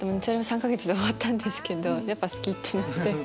それ３か月で終わったんですけどやっぱ好き！ってなって。